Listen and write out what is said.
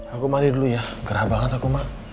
aku mandi dulu ya gerah banget aku mak